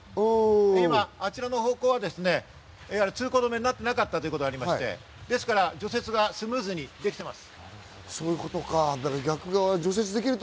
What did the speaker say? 今、あちらの方向は通行止めになっていなかったということもありまして、ですから、除雪がスムーズにできています。